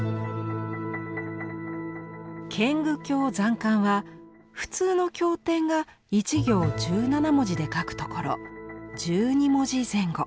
「賢愚経残巻」は普通の経典が１行１７文字で書くところ１２文字前後。